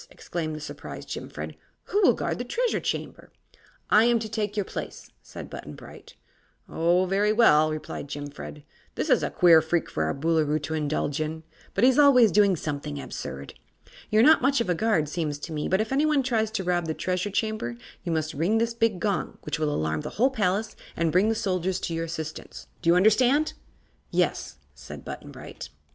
exclaimed the surprised Jimfred; "who will guard the Treasure Chamber?" "I am to take your place," said Button Bright. "Oh, very well," replied Jimfred; "this is a queer freak for our Boolooroo to indulge in, but he is always doing something absurd. You're not much of a guard, seems to me, but if anyone tries to rob the Treasure Chamber you must ring this big gong, which will alarm the whole palace and bring the soldiers to your assistance. Do you understand?" "Yes," said Button Bright.